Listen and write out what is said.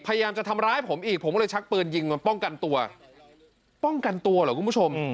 พยายามจะทำร้ายผมอีกผมก็เลยชักปืนยิงมาป้องกันตัวป้องกันตัวเหรอคุณผู้ชม